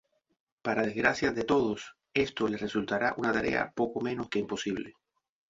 Para desgracia de todos, esto les resultará una tarea poco menos que imposible.